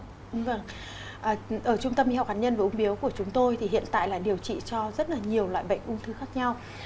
ở trung tâm y học hạt nhân và úng bướu của chúng tôi thì hiện tại là điều trị cho rất là nhiều loại bệnh ung thư khác nhau